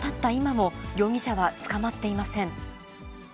今も、容疑者は捕まっていません。